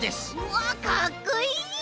わかっこいい！